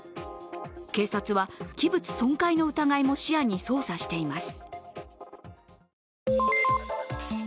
警察は、器物損壊の疑いも視野に捜査しています。